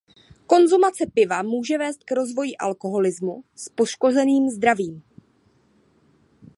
Konzumace piva může vést k rozvoji alkoholismu s poškozením zdraví.